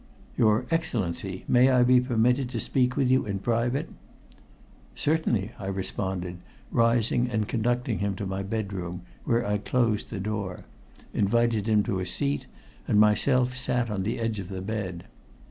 "Your Excellency, may I be permitted to speak with you in private?" "Certainly," I responded, rising and conducting him to my bedroom, where I closed the door, invited him to a seat, and myself sat upon the edge of the bed.